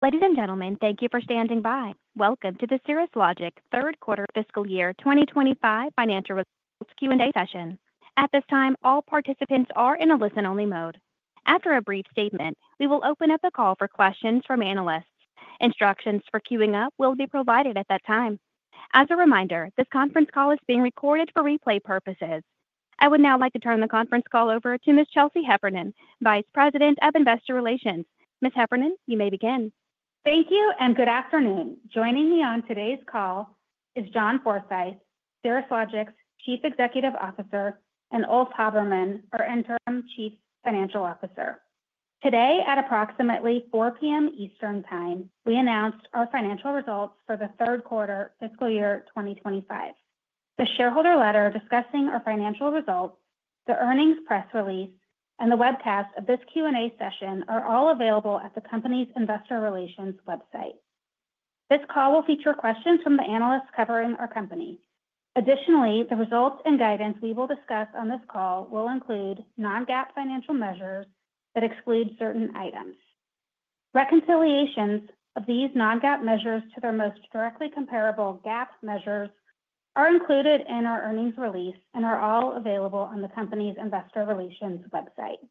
Ladies and gentlemen, thank you for standing by. Welcome to the Cirrus Logic Q3 FY 2025 financial results Q&A session. At this time, all participants are in a listen-only mode. After a brief statement, we will open up a call for questions from analysts. Instructions for queuing up will be provided at that time. As a reminder, this conference call is being recorded for replay purposes. I would now like to turn the conference call over to Ms. Chelsea Heffernan, Vice President of Investor Relations. Ms. Heffernan, you may begin. Thank you, and good afternoon. Joining me on today's call is John Forsyth, Cirrus Logic's Chief Executive Officer, and Ulf Habermann, our Interim Chief Financial Officer. Today, at approximately 4:00 P.M. Eastern Time, we announced our financial results for Q3 FY 2025. The shareholder letter discussing our financial results, the earnings press release, and the webcast of this Q&A session are all available at the company's Investor Relations website. This call will feature questions from the analysts covering our company. Additionally, the results and guidance we will discuss on this call will include non-GAAP financial measures that exclude certain items. Reconciliations of these non-GAAP measures to their most directly comparable GAAP measures are included in our earnings release and are all available on the company's Investor Relations website.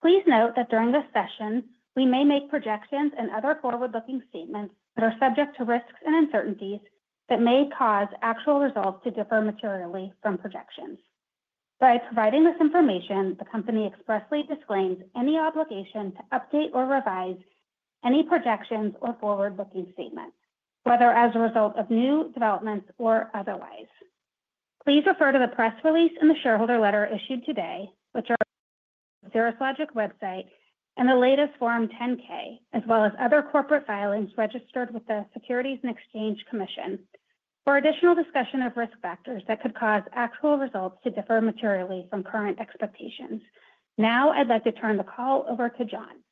Please note that during this session, we may make projections and other forward-looking statements that are subject to risks and uncertainties that may cause actual results to differ materially from projections. By providing this information, the company expressly disclaims any obligation to update or revise any projections or forward-looking statements, whether as a result of new developments or otherwise. Please refer to the press release and the shareholder letter issued today, which are on the Cirrus Logic website and the latest Form 10-K, as well as other corporate filings registered with the Securities and Exchange Commission, for additional discussion of risk factors that could cause actual results to differ materially from current expectations. Now, I'd like to turn the call over to John.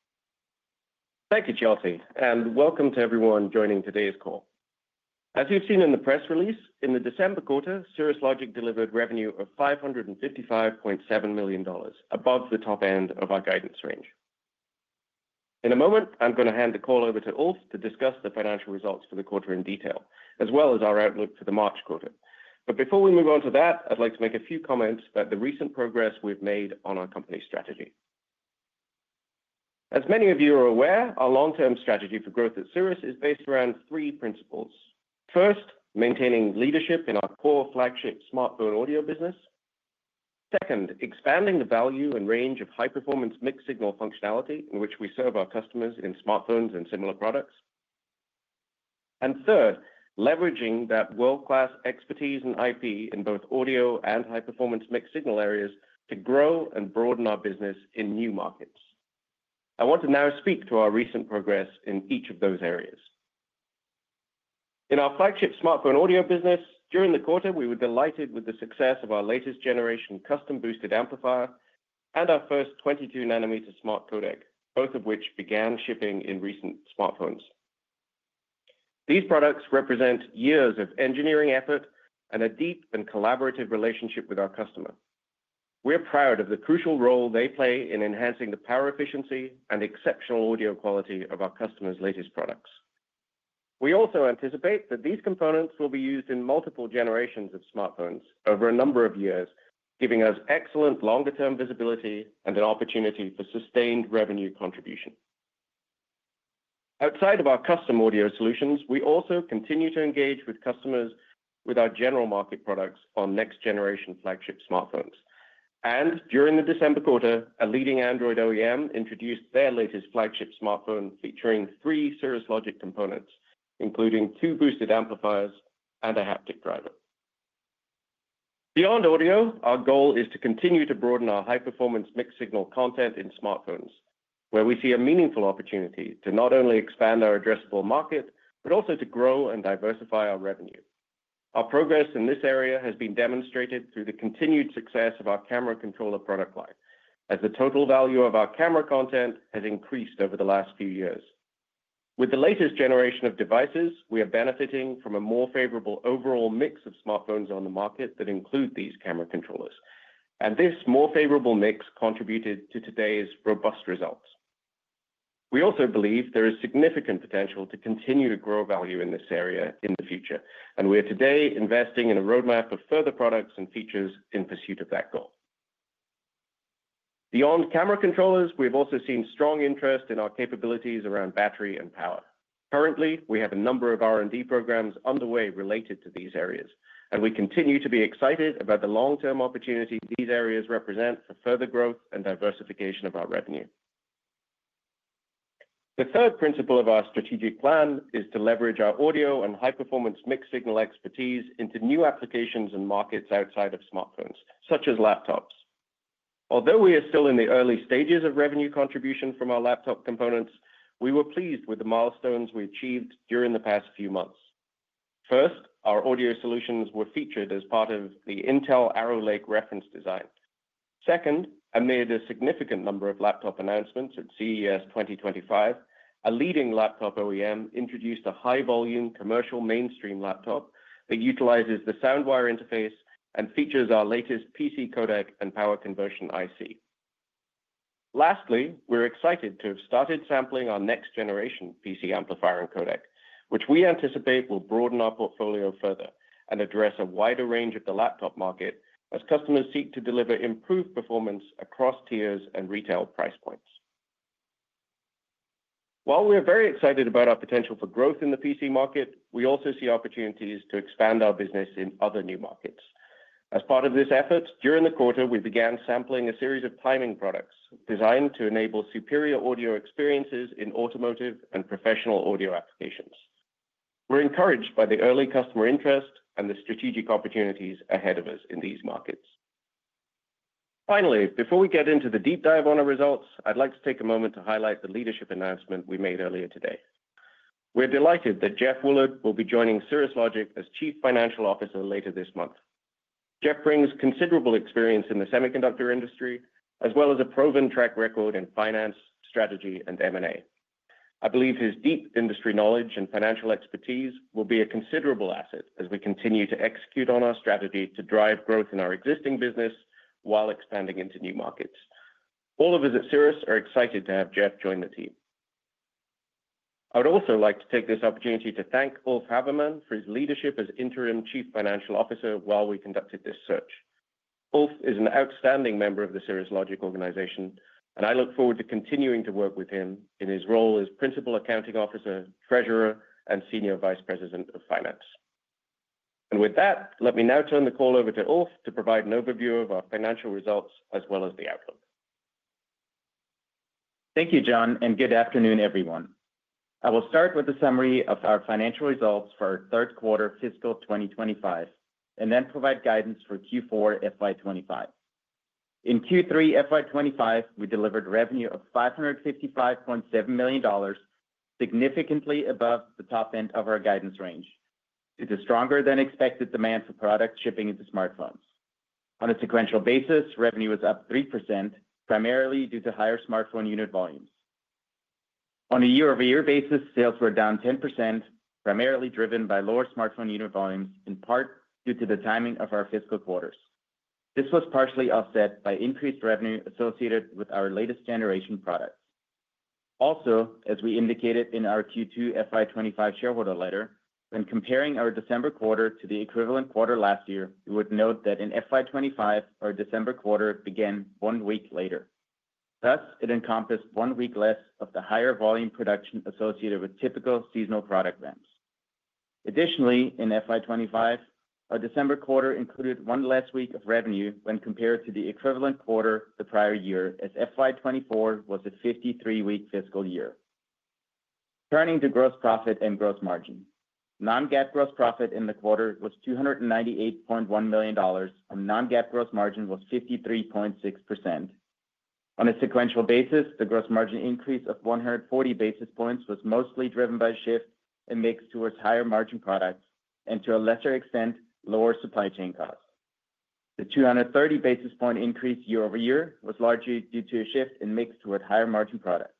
Thank you, Chelsea, and welcome to everyone joining today's call. As you've seen in the press release, in the December quarter, Cirrus Logic delivered revenue of $555.7 million, above the top end of our guidance range. In a moment, I'm going to hand the call over to Ulf to discuss the financial results for the quarter in detail, as well as our outlook for the March quarter. But before we move on to that, I'd like to make a few comments about the recent progress we've made on our company strategy. As many of you are aware, our long-term strategy for growth at Cirrus is based around three principles. First, maintaining leadership in our core flagship smartphone audio business. Second, expanding the value and range of high-performance mixed-signal functionality in which we serve our customers in smartphones and similar products. And third, leveraging that world-class expertise and IP in both audio and high-performance mixed-signal areas to grow and broaden our business in new markets. I want to now speak to our recent progress in each of those areas. In our flagship smartphone audio business, during the quarter, we were delighted with the success of our latest-generation custom-boosted amplifier and our first 22-nanometer smart codec, both of which began shipping in recent smartphones. These products represent years of engineering effort and a deep and collaborative relationship with our customer. We're proud of the crucial role they play in enhancing the power efficiency and exceptional audio quality of our customers' latest products. We also anticipate that these components will be used in multiple generations of smartphones over a number of years, giving us excellent longer-term visibility and an opportunity for sustained revenue contribution. Outside of our custom audio solutions, we also continue to engage with customers with our general market products on next-generation flagship smartphones. During the December quarter, a leading Android OEM introduced their latest flagship smartphone featuring three Cirrus Logic components, including two boosted amplifiers and a haptic driver. Beyond audio, our goal is to continue to broaden our high-performance mixed-signal content in smartphones, where we see a meaningful opportunity to not only expand our addressable market but also to grow and diversify our revenue. Our progress in this area has been demonstrated through the continued success of our camera controller product line, as the total value of our camera content has increased over the last few years. With the latest generation of devices, we are benefiting from a more favorable overall mix of smartphones on the market that include these camera controllers, and this more favorable mix contributed to today's robust results. We also believe there is significant potential to continue to grow value in this area in the future, and we are today investing in a roadmap of further products and features in pursuit of that goal. Beyond camera controllers, we have also seen strong interest in our capabilities around battery and power. Currently, we have a number of R&D programs underway related to these areas, and we continue to be excited about the long-term opportunity these areas represent for further growth and diversification of our revenue. The third principle of our strategic plan is to leverage our audio and high-performance mixed-signal expertise into new applications and markets outside of smartphones, such as laptops. Although we are still in the early stages of revenue contribution from our laptop components, we were pleased with the milestones we achieved during the past few months. First, our audio solutions were featured as part of the Intel Arrow Lake reference design. Second, amid a significant number of laptop announcements at CES 2025, a leading laptop OEM introduced a high-volume commercial mainstream laptop that utilizes the SoundWire interface and features our latest PC codec and power conversion IC. Lastly, we're excited to have started sampling our next-generation PC amplifier and codec, which we anticipate will broaden our portfolio further and address a wider range of the laptop market as customers seek to deliver improved performance across tiers and retail price points. While we are very excited about our potential for growth in the PC market, we also see opportunities to expand our business in other new markets. As part of this effort, during the quarter, we began sampling a series of timing products designed to enable superior audio experiences in automotive and professional audio applications. We're encouraged by the early customer interest and the strategic opportunities ahead of us in these markets. Finally, before we get into the deep dive on our results, I'd like to take a moment to highlight the leadership announcement we made earlier today. We're delighted that Jeff Woolard will be joining Cirrus Logic as Chief Financial Officer later this month. Jeff brings considerable experience in the semiconductor industry, as well as a proven track record in finance, strategy, and M&A. I believe his deep industry knowledge and financial expertise will be a considerable asset as we continue to execute on our strategy to drive growth in our existing business while expanding into new markets. All of us at Cirrus are excited to have Jeff join the team. I would also like to take this opportunity to thank Ulf Habermann for his leadership as Interim Chief Financial Officer while we conducted this search. Ulf is an outstanding member of the Cirrus Logic organization, and I look forward to continuing to work with him in his role as Principal Accounting Officer, Treasurer, and Senior Vice President of Finance. And with that, let me now turn the call over to Ulf to provide an overview of our financial results as well as the outlook. Thank you, John, and good afternoon, everyone. I will start with a summary of our financial results for Q3 FY 2025 and then provide guidance for Q4 FY 25. In Q3 FY 25, we delivered revenue of $555.7 million, significantly above the top end of our guidance range. It's a stronger-than-expected demand for products shipping into smartphones. On a sequential basis, revenue was up 3%, primarily due to higher smartphone unit volumes. On a year-over-year basis, sales were down 10%, primarily driven by lower smartphone unit volumes, in part due to the timing of our fiscal quarters. This was partially offset by increased revenue associated with our latest-generation products. Also, as we indicated in our Q2 FY 25 shareholder letter, when comparing our December quarter to the equivalent quarter last year, you would note that in FY 25, our December quarter began one week later. Thus, it encompassed one week less of the higher volume production associated with typical seasonal product ramps. Additionally, in FY 25, our December quarter included one less week of revenue when compared to the equivalent quarter the prior year, as FY 24 was a 53-week fiscal year. Turning to gross profit and gross margin, non-GAAP gross profit in the quarter was $298.1 million, and non-GAAP gross margin was 53.6%. On a sequential basis, the gross margin increase of 140 basis points was mostly driven by a shift in mix towards higher-margin products and, to a lesser extent, lower supply chain costs. The 230 basis points increase year-over-year was largely due to a shift in mix toward higher-margin products.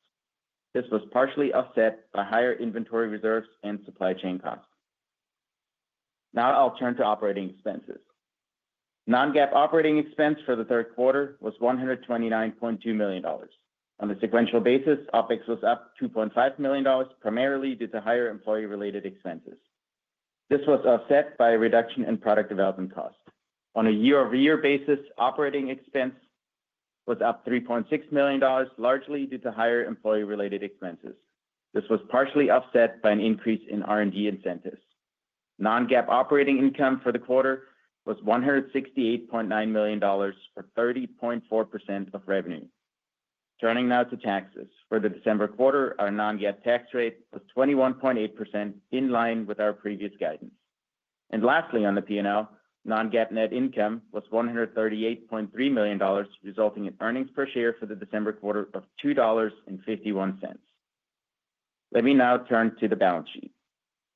This was partially offset by higher inventory reserves and supply chain costs. Now, I'll turn to operating expenses. Non-GAAP operating expense for Q3 was $129.2 million. On a sequential basis, OpEx was up $2.5 million, primarily due to higher employee-related expenses. This was offset by a reduction in product development cost. On a year-over-year basis, operating expense was up $3.6 million, largely due to higher employee-related expenses. This was partially offset by an increase in R&D incentives. Non-GAAP operating income for Q4 was $168.9 million for 30.4% of revenue. Turning now to taxes, for the December quarter, our non-GAAP tax rate was 21.8%, in line with our previous guidance. And lastly, on the P&L, non-GAAP net income was $138.3 million, resulting in earnings per share for the December quarter of $2.51. Let me now turn to the balance sheet.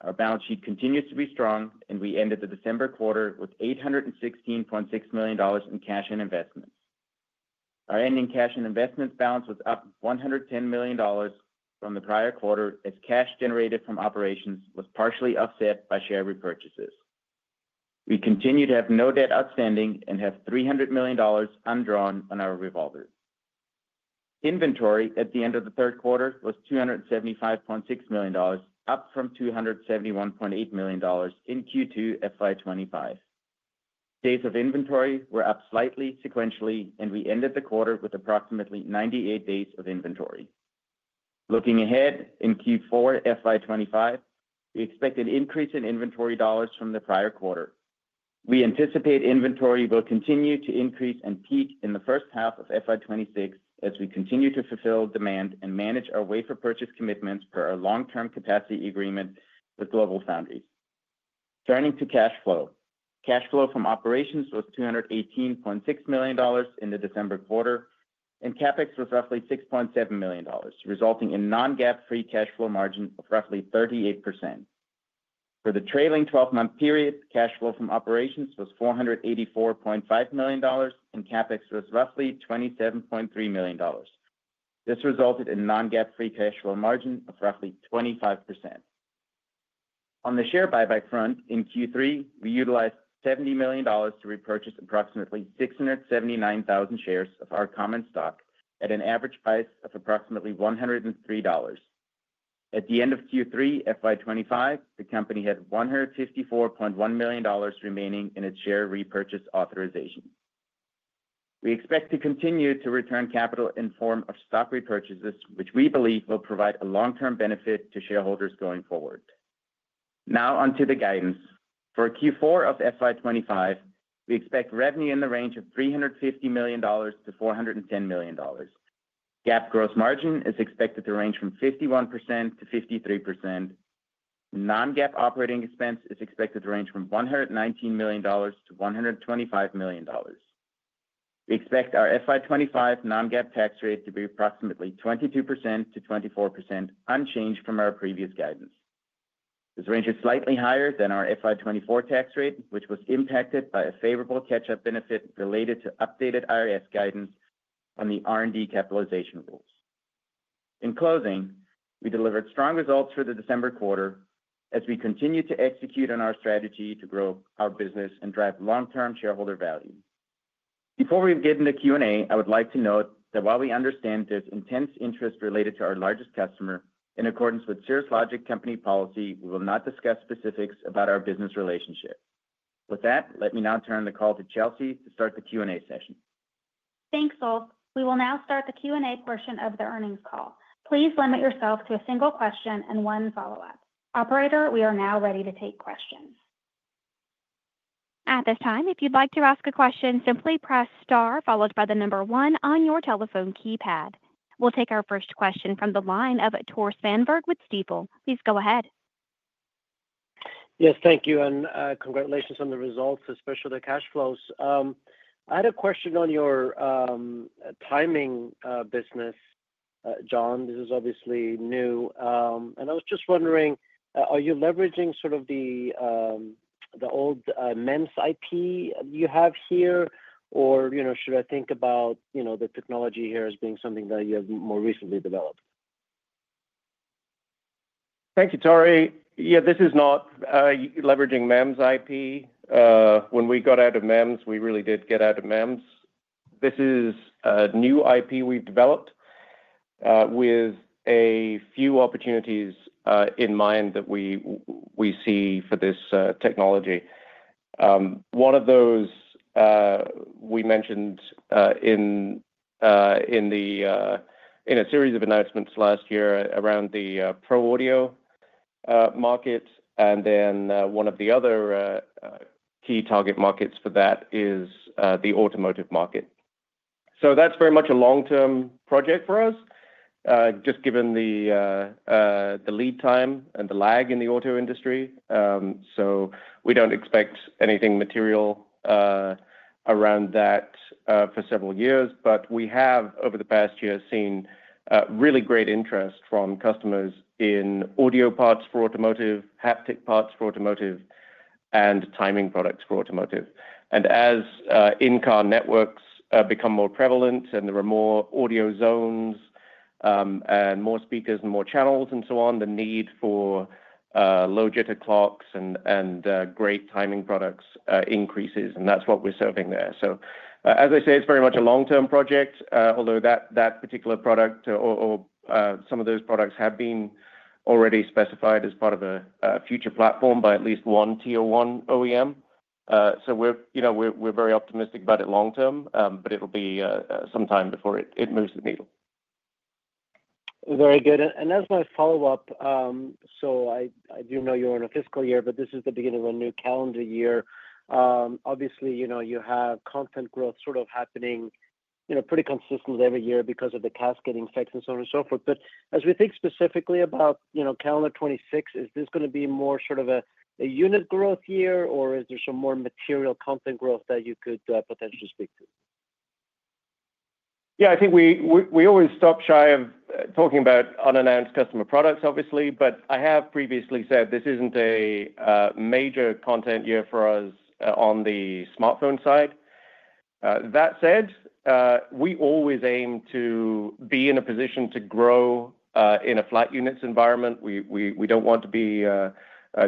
Our balance sheet continues to be strong, and we ended the December quarter with $816.6 million in cash and investments. Our ending cash and investments balance was up $110 million from the prior quarter, as cash generated from operations was partially offset by share repurchases. We continue to have no debt outstanding and have $300 million undrawn on our revolver. Inventory at the end of Q3 was $275.6 million, up from $271.8 million in Q2 FY 2025. Days of inventory were up slightly sequentially, and we ended the quarter with approximately 98 days of inventory. Looking ahead in Q4 FY 2025, we expect an increase in inventory dollars from the prior quarter. We anticipate inventory will continue to increase and peak in the first half of FY 2026 as we continue to fulfill demand and manage our wafer purchase commitments per our long-term capacity agreement with GlobalFoundries. Turning to cash flow, cash flow from operations was $218.6 million in the December quarter, and CapEx was roughly $6.7 million, resulting in non-GAAP free cash flow margin of roughly 38%. For the trailing 12-month period, cash flow from operations was $484.5 million, and CapEx was roughly $27.3 million. This resulted in non-GAAP free cash flow margin of roughly 25%. On the share buyback front, in Q3, we utilized $70 million to repurchase approximately 679,000 shares of our common stock at an average price of approximately $103. At the end of Q3 FY 2025, the company had $154.1 million remaining in its share repurchase authorization. We expect to continue to return capital in the form of stock repurchases, which we believe will provide a long-term benefit to shareholders going forward. Now, onto the guidance. For Q4 of FY 25, we expect revenue in the range of $350 million-$410 million. GAAP gross margin is expected to range from 51%-53%. Non-GAAP operating expense is expected to range from $119 million-$125 million. We expect our FY 25 non-GAAP tax rate to be approximately 22%-24%, unchanged from our previous guidance. This range is slightly higher than our FY 24 tax rate, which was impacted by a favorable catch-up benefit related to updated IRS guidance on the R&D capitalization rules. In closing, we delivered strong results for the December quarter as we continue to execute on our strategy to grow our business and drive long-term shareholder value. Before we begin the Q&A, I would like to note that while we understand there's intense interest related to our largest customer, in accordance with Cirrus Logic Company policy, we will not discuss specifics about our business relationship. With that, let me now turn the call to Chelsea to start the Q&A session. Thanks, Ulf. We will now start the Q&A portion of the earnings call. Please limit yourself to a single question and one follow-up. Operator, we are now ready to take questions. At this time, if you'd like to ask a question, simply press star followed by the number one on your telephone keypad. We'll take our first question from the line of Tore Svanberg with Stifel. Please go ahead. Yes, thank you, and congratulations on the results, especially the cash flows. I had a question on your timing business, John. This is obviously new, and I was just wondering, are you leveraging sort of the old MEMS IP you have here, or should I think about the technology here as being something that you have more recently developed? Thank you, Tore. Yeah, this is not leveraging MEMS IP. When we got out of MEMS, we really did get out of MEMS. This is a new IP we've developed with a few opportunities in mind that we see for this technology. One of those we mentioned in a series of announcements last year around the Pro Audio market, and then one of the other key target markets for that is the automotive market, so that's very much a long-term project for us, just given the lead time and the lag in the auto industry, so we don't expect anything material around that for several years, but we have, over the past year, seen really great interest from customers in audio parts for automotive, haptic parts for automotive, and timing products for automotive. As in-car networks become more prevalent and there are more audio zones and more speakers and more channels and so on, the need for low-jitter clocks and great timing products increases, and that's what we're serving there. So as I say, it's very much a long-term project, although that particular product or some of those products have been already specified as part of a future platform by at least one Tier 1 OEM. So we're very optimistic about it long-term, but it'll be some time before it moves the needle. Very good, and as my follow-up, so I do know you're in a fiscal year, but this is the beginning of a new calendar year. Obviously, you have content growth sort of happening pretty consistently every year because of the cascading effects and so on and so forth. But, as we think specifically about calendar 2026, is this going to be more sort of a unit growth year, or is there some more material content growth that you could potentially speak to? Yeah, I think we always stop shy of talking about unannounced customer products, obviously, but I have previously said this isn't a major content year for us on the smartphone side. That said, we always aim to be in a position to grow in a flat units environment. We don't want to be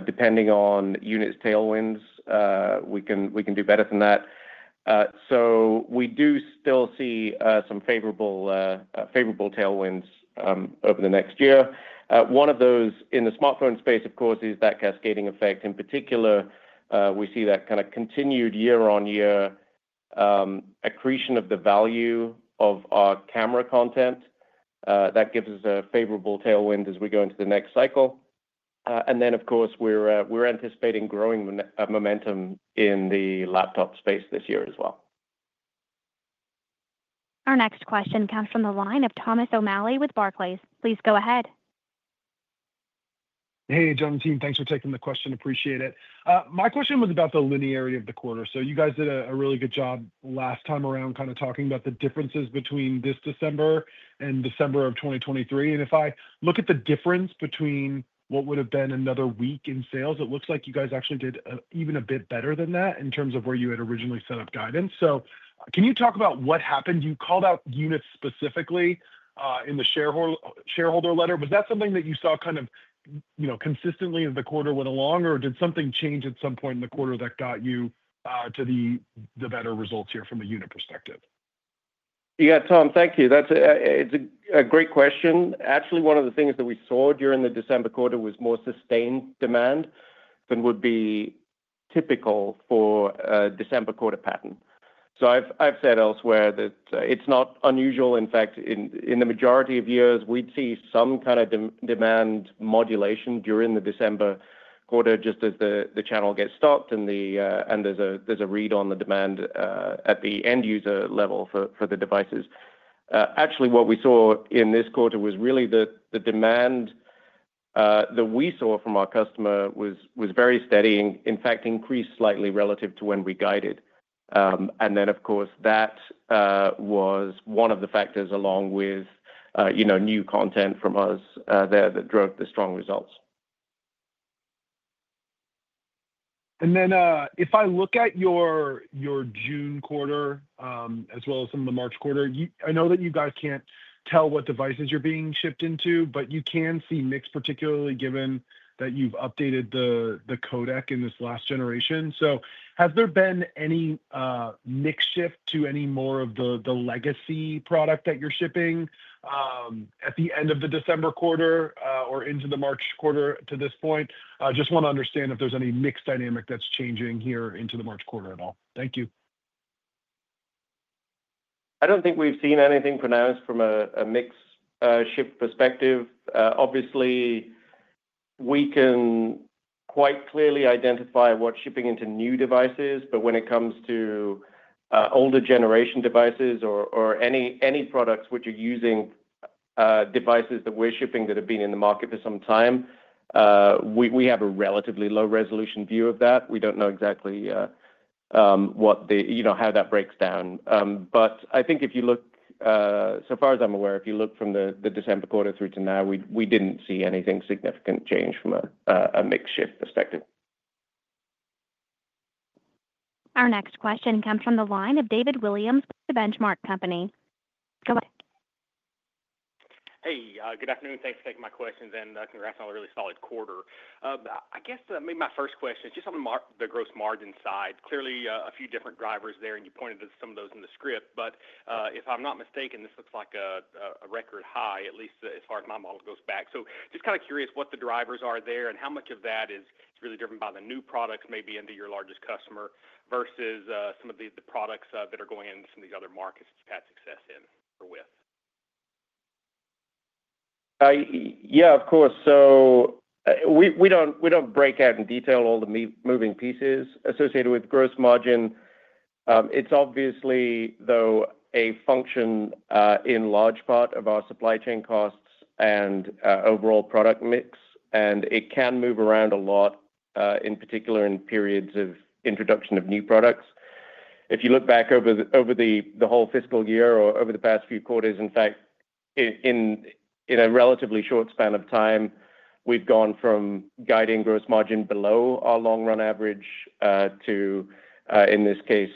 depending on units' tailwinds. We can do better than that. So we do still see some favorable tailwinds over the next year. One of those in the smartphone space, of course, is that cascading effect. In particular, we see that kind of continued year-on-year accretion of the value of our camera content. That gives us a favorable tailwind as we go into the next cycle, and then, of course, we're anticipating growing momentum in the laptop space this year as well. Our next question comes from the line of Thomas O'Malley with Barclays. Please go ahead. Hey, John and team, thanks for taking the question. Appreciate it. My question was about the linearity of the quarter, so you guys did a really good job last time around kind of talking about the differences between this December and December of 2023, and if I look at the difference between what would have been another week in sales, it looks like you guys actually did even a bit better than that in terms of where you had originally set up guidance, so can you talk about what happened? You called out units specifically in the shareholder letter. Was that something that you saw kind of consistently as the quarter went along, or did something change at some point in the quarter that got you to the better results here from a unit perspective? Yeah, Tom, thank you. That's a great question. Actually, one of the things that we saw during the December quarter was more sustained demand than would be typical for a December quarter pattern. So I've said elsewhere that it's not unusual. In fact, in the majority of years, we'd see some kind of demand modulation during the December quarter just as the channel gets stopped and there's a read on the demand at the end user level for the devices. Actually, what we saw in this quarter was really the demand that we saw from our customer was very steady, in fact, increased slightly relative to when we guided. And then, of course, that was one of the factors along with new content from us that drove the strong results. And then if I look at your June quarter as well as some of the March quarter, I know that you guys can't tell what devices you're being shipped into, but you can see mix, particularly given that you've updated the codec in this last generation. So has there been any mix shift to any more of the legacy product that you're shipping at the end of the December quarter or into the March quarter to this point? Just want to understand if there's any mix dynamic that's changing here into the March quarter at all. Thank you. I don't think we've seen anything pronounced from a mix shift perspective. Obviously, we can quite clearly identify what's shipping into new devices, but when it comes to older generation devices or any products which are using devices that we're shipping that have been in the market for some time, we have a relatively low resolution view of that. We don't know exactly how that breaks down. But I think if you look, so far as I'm aware, if you look from the December quarter through to now, we didn't see anything significant change from a mix shift perspective. Our next question comes from the line of David Williams with The Benchmark Company. Go ahead. Hey, good afternoon. Thanks for taking my question, and congrats on a really solid quarter. I guess maybe my first question is just on the gross margin side. Clearly, a few different drivers there, and you pointed to some of those in the script, but if I'm not mistaken, this looks like a record high, at least as far as my model goes back. So just kind of curious what the drivers are there and how much of that is really driven by the new products maybe into your largest customer versus some of the products that are going into some of these other markets it's had success in or with. Yeah, of course. So we don't break out in detail all the moving pieces associated with gross margin. It's obviously, though, a function in large part of our supply chain costs and overall product mix, and it can move around a lot, in particular in periods of introduction of new products. If you look back over the whole fiscal year or over the past few quarters, in fact, in a relatively short span of time, we've gone from guiding gross margin below our long-run average to, in this case,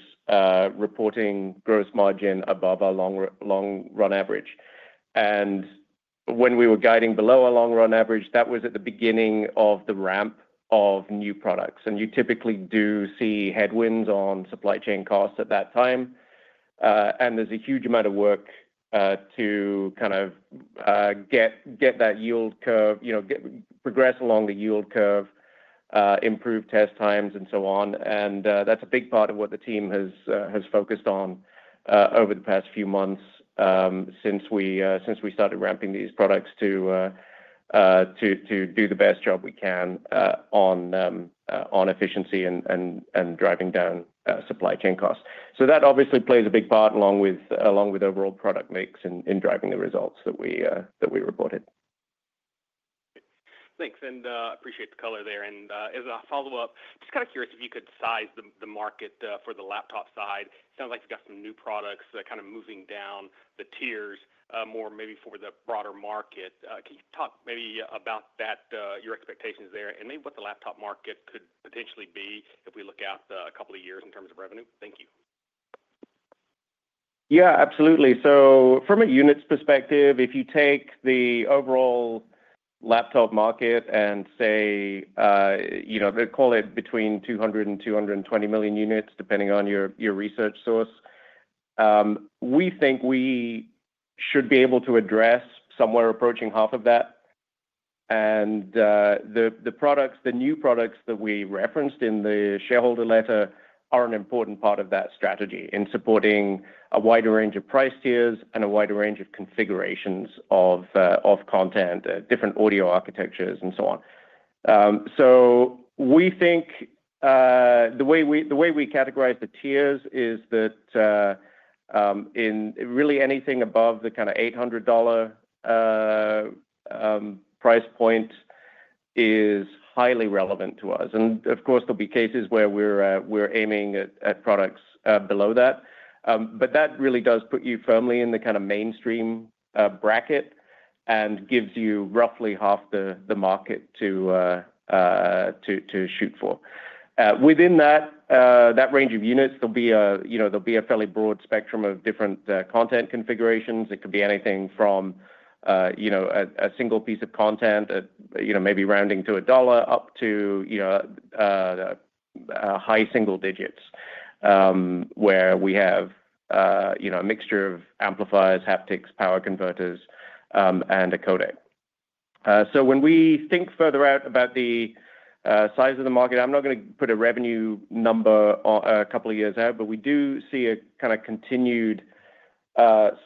reporting gross margin above our long-run average. And when we were guiding below our long-run average, that was at the beginning of the ramp of new products. And you typically do see headwinds on supply chain costs at that time. There's a huge amount of work to kind of get that yield curve, progress along the yield curve, improve test times, and so on. That's a big part of what the team has focused on over the past few months since we started ramping these products to do the best job we can on efficiency and driving down supply chain costs. That obviously plays a big part along with overall product mix in driving the results that we reported. Thanks. And appreciate the color there. And as a follow-up, just kind of curious if you could size the market for the laptop side. It sounds like you've got some new products that are kind of moving down the tiers more maybe for the broader market. Can you talk maybe about your expectations there and maybe what the laptop market could potentially be if we look out a couple of years in terms of revenue? Thank you. Yeah, absolutely. So from a units perspective, if you take the overall laptop market and say, they call it between 200 and 220 million units, depending on your research source, we think we should be able to address somewhere approaching half of that. And the new products that we referenced in the shareholder letter are an important part of that strategy in supporting a wider range of price tiers and a wider range of configurations of content, different audio architectures, and so on. So we think the way we categorize the tiers is that really anything above the kind of $800 price point is highly relevant to us. And of course, there'll be cases where we're aiming at products below that. But that really does put you firmly in the kind of mainstream bracket and gives you roughly half the market to shoot for. Within that range of units, there'll be a fairly broad spectrum of different content configurations. It could be anything from a single piece of content, maybe rounding to a dollar, up to high single digits, where we have a mixture of amplifiers, haptics, power converters, and a codec. So when we think further out about the size of the market, I'm not going to put a revenue number a couple of years out, but we do see a kind of continued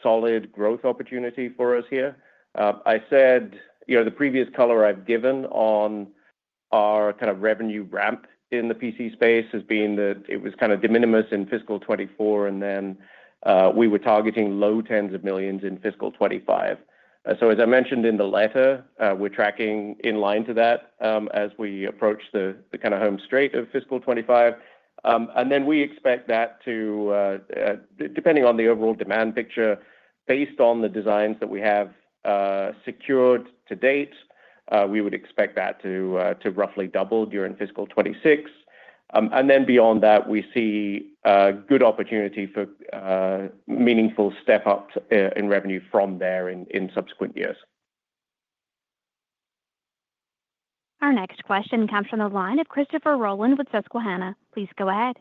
solid growth opportunity for us here. I said the previous color I've given on our kind of revenue ramp in the PC space has been that it was kind of de minimis in fiscal 2024, and then we were targeting low tens of millions in fiscal 2025. So as I mentioned in the letter, we're tracking in line to that as we approach the kind of home stretch of fiscal 2025. And then we expect that to, depending on the overall demand picture based on the designs that we have secured to date, we would expect that to roughly double during fiscal 2026. And then beyond that, we see good opportunity for meaningful step-ups in revenue from there in subsequent years. Our next question comes from the line of Christopher Rolland with Susquehanna. Please go ahead.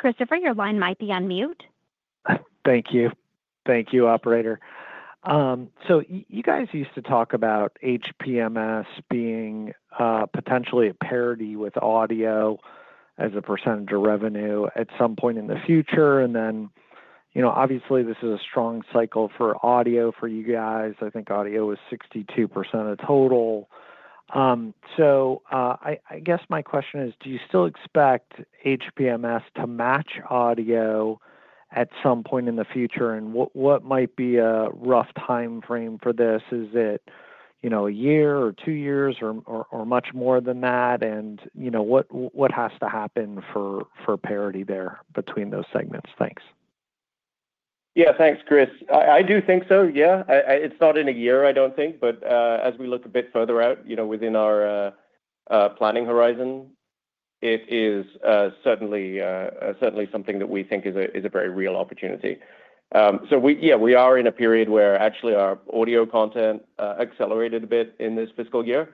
Christopher, your line might be on mute. Thank you. Thank you, Operator. So you guys used to talk about HPMS being potentially a parity with audio as a percentage of revenue at some point in the future. And then obviously, this is a strong cycle for audio for you guys. I think audio was 62% of total. So I guess my question is, do you still expect HPMS to match audio at some point in the future? And what might be a rough timeframe for this? Is it a year or two years or much more than that? And what has to happen for parity there between those segments? Thanks. Yeah, thanks, Chris. I do think so. Yeah. It's not in a year, I don't think, but as we look a bit further out within our planning horizon, it is certainly something that we think is a very real opportunity. So yeah, we are in a period where actually our audio content accelerated a bit in this fiscal year.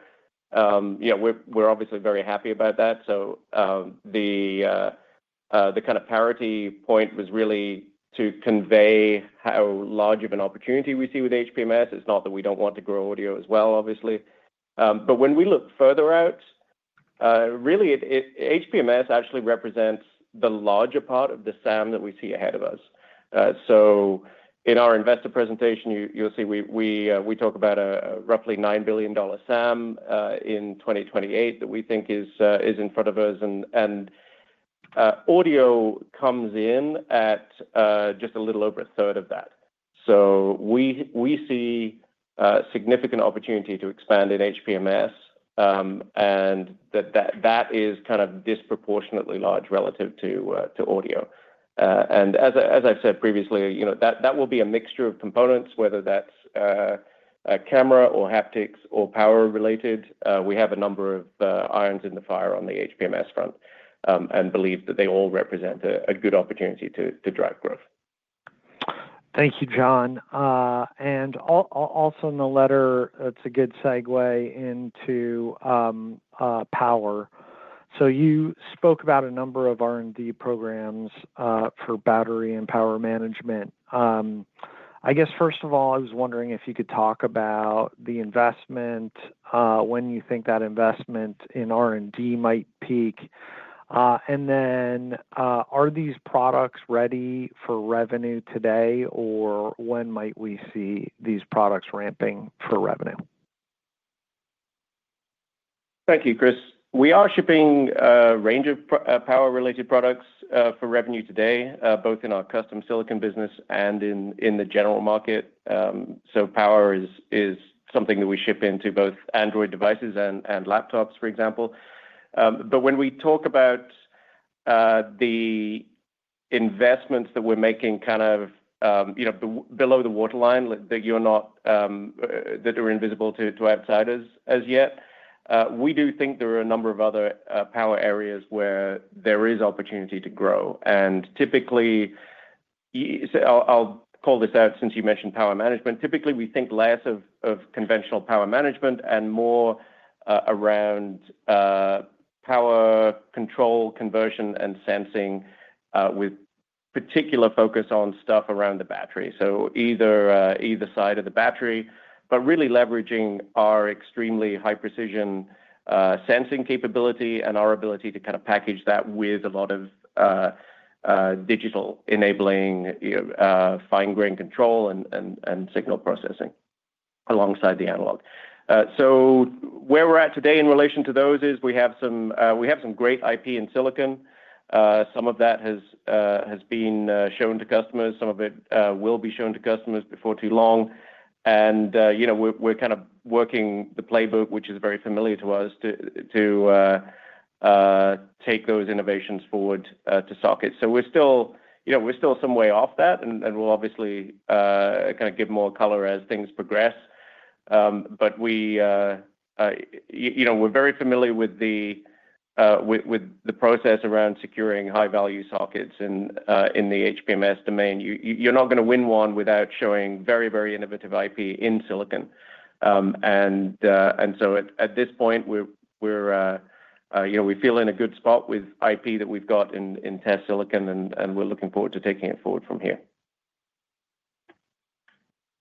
Yeah, we're obviously very happy about that. So the kind of parity point was really to convey how large of an opportunity we see with HPMS. It's not that we don't want to grow audio as well, obviously. But when we look further out, really HPMS actually represents the larger part of the SAM that we see ahead of us. So in our investor presentation, you'll see we talk about a roughly $9 billion SAM in 2028 that we think is in front of us. And audio comes in at just a little over a third of that. So we see significant opportunity to expand in HPMS, and that is kind of disproportionately large relative to audio. And as I've said previously, that will be a mixture of components, whether that's camera or haptics or power related. We have a number of irons in the fire on the HPMS front and believe that they all represent a good opportunity to drive growth. Thank you, John. And also in the letter, it's a good segue into power. So you spoke about a number of R&D programs for battery and power management. I guess first of all, I was wondering if you could talk about the investment, when you think that investment in R&D might peak? And then are these products ready for revenue today, or when might we see these products ramping for revenue? Thank you, Chris. We are shipping a range of power-related products for revenue today, both in our custom silicon business and in the general market. So power is something that we ship into both Android devices and laptops, for example. But when we talk about the investments that we're making kind of below the waterline, that are invisible to outsiders as yet, we do think there are a number of other power areas where there is opportunity to grow. And typically, I'll call this out since you mentioned power management. Typically, we think less of conventional power management and more around power control conversion and sensing with particular focus on stuff around the battery. So either side of the battery, but really leveraging our extremely high precision sensing capability and our ability to kind of package that with a lot of digital enabling fine-grained control and signal processing alongside the analog. So where we're at today in relation to those is we have some great IP in silicon. Some of that has been shown to customers. Some of it will be shown to customers before too long. And we're kind of working the playbook, which is very familiar to us, to take those innovations forward to sockets. So we're still some way off that, and we'll obviously kind of give more color as things progress. But we're very familiar with the process around securing high-value sockets in the HPMS domain. You're not going to win one without showing very, very innovative IP in silicon. At this point, we feel in a good spot with IP that we've got in test silicon, and we're looking forward to taking it forward from here.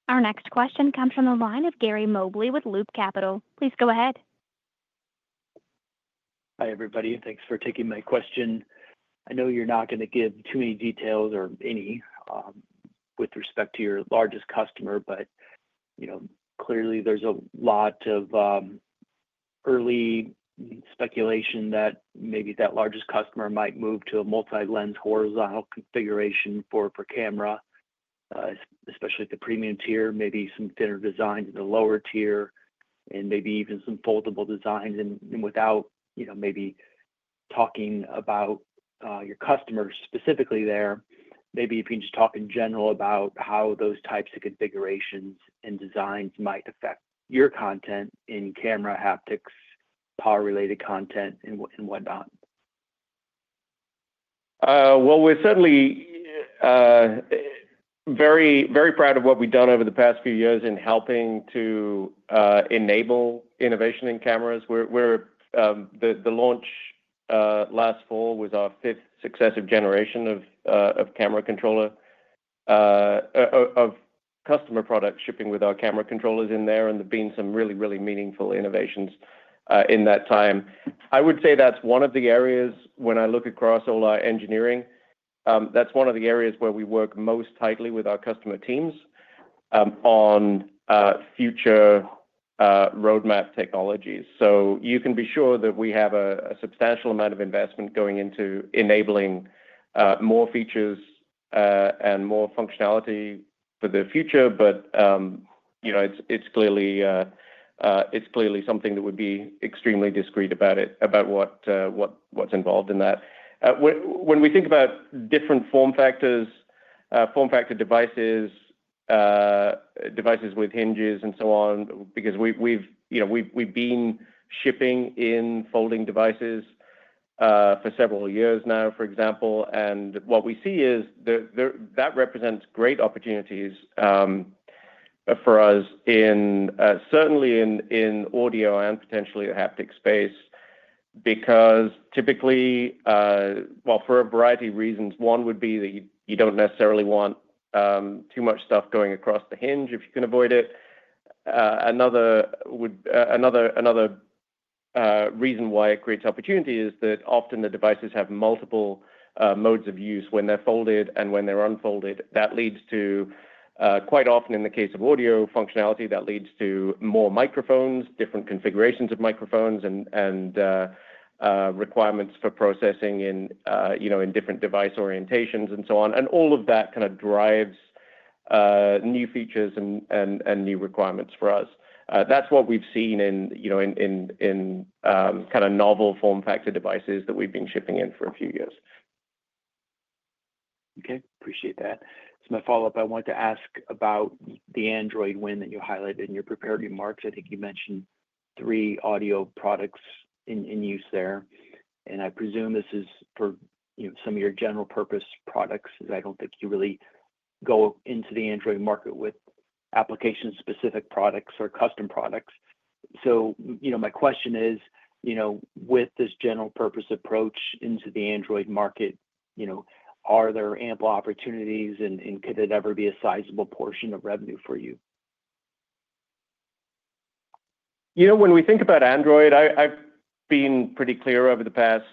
Our next question comes from the line of Gary Mobley with Loop Capital. Please go ahead. Hi everybody. Thanks for taking my question. I know you're not going to give too many details or any with respect to your largest customer, but clearly there's a lot of early speculation that maybe that largest customer might move to a multi-lens horizontal configuration for camera, especially the premium tier, maybe some thinner designs in the lower tier, and maybe even some foldable designs, and without maybe talking about your customers specifically there, maybe if you can just talk in general about how those types of configurations and designs might affect your content in camera, haptics, power-related content, and whatnot. We're certainly very proud of what we've done over the past few years in helping to enable innovation in cameras. The launch last fall was our fifth successive generation of customer product shipping with our camera controllers in there and there being some really, really meaningful innovations in that time. I would say that's one of the areas when I look across all our engineering, that's one of the areas where we work most tightly with our customer teams on future roadmap technologies. So you can be sure that we have a substantial amount of investment going into enabling more features and more functionality for the future, but it's clearly something that would be extremely discreet about what's involved in that. When we think about different form factors, form factor devices, devices with hinges, and so on, because we've been shipping in folding devices for several years now, for example. And what we see is that represents great opportunities for us, certainly in audio and potentially the haptic space, because typically, well, for a variety of reasons. One would be that you don't necessarily want too much stuff going across the hinge if you can avoid it. Another reason why it creates opportunity is that often the devices have multiple modes of use when they're folded and when they're unfolded. That leads to, quite often in the case of audio functionality, that leads to more microphones, different configurations of microphones, and requirements for processing in different device orientations and so on. And all of that kind of drives new features and new requirements for us. That's what we've seen in kind of novel form factor devices that we've been shipping in for a few years. Okay. Appreciate that. As my follow-up, I wanted to ask about the Android win that you highlighted in your prepared remarks. I think you mentioned three audio products in use there. And I presume this is for some of your general purpose products, as I don't think you really go into the Android market with application-specific products or custom products. So my question is, with this general purpose approach into the Android market, are there ample opportunities, and could it ever be a sizable portion of revenue for you? When we think about Android, I've been pretty clear over the past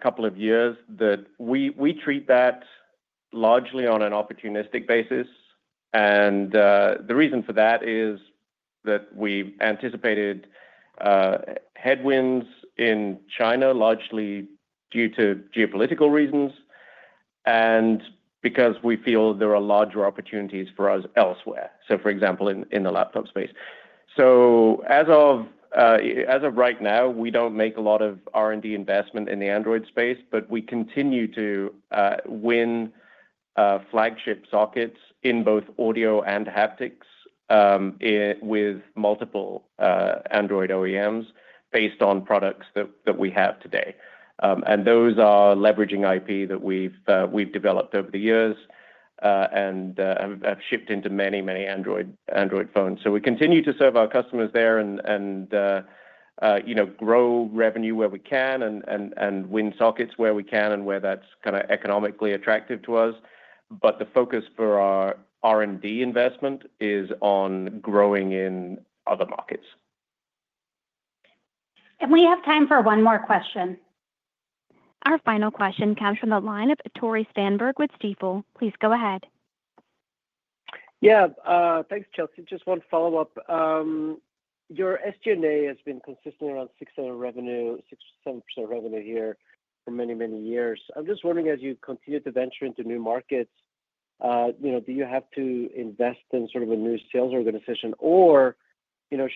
couple of years that we treat that largely on an opportunistic basis. And the reason for that is that we anticipated headwinds in China, largely due to geopolitical reasons and because we feel there are larger opportunities for us elsewhere, so for example, in the laptop space. So as of right now, we don't make a lot of R&D investment in the Android space, but we continue to win flagship sockets in both audio and haptics with multiple Android OEMs based on products that we have today. And those are leveraging IP that we've developed over the years and have shipped into many, many Android phones. So we continue to serve our customers there and grow revenue where we can and win sockets where we can and where that's kind of economically attractive to us. But the focus for our R&D investment is on growing in other markets. And we have time for one more question. Our final question comes from the line of Tore Svanberg with Stifel. Please go ahead. Yeah. Thanks, Chelsea. Just one follow-up. Your SG&A has been consistently around 6% revenue, 6%-7% revenue here for many, many years. I'm just wondering, as you continue to venture into new markets, do you have to invest in sort of a new sales organization, or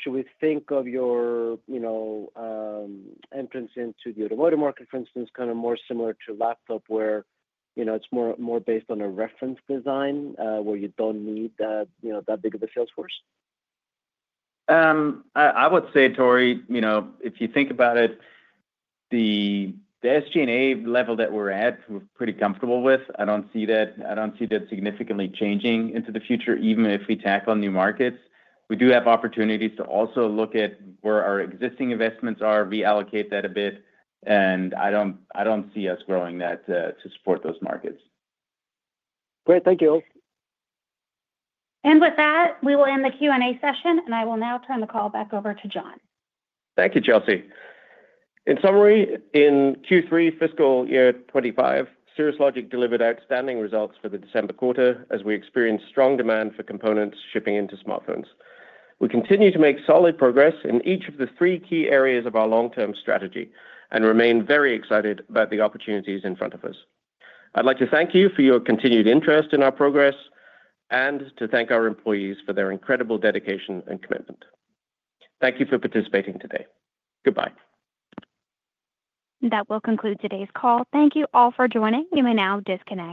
should we think of your entrance into the automotive market, for instance, kind of more similar to laptop, where it's more based on a reference design where you don't need that big of a sales force? I would say, Tore, if you think about it, the SG&A level that we're at, we're pretty comfortable with. I don't see that significantly changing into the future, even if we tack on new markets. We do have opportunities to also look at where our existing investments are, reallocate that a bit, and I don't see us growing that to support those markets. Great. Thank you. And with that, we will end the Q&A session, and I will now turn the call back over to John. Thank you, Chelsea. In summary, in Q3 fiscal year 2025, Cirrus Logic delivered outstanding results for the December quarter as we experienced strong demand for components shipping into smartphones. We continue to make solid progress in each of the three key areas of our long-term strategy and remain very excited about the opportunities in front of us. I'd like to thank you for your continued interest in our progress and to thank our employees for their incredible dedication and commitment. Thank you for participating today. Goodbye. That will conclude today's call. Thank you all for joining. You may now disconnect.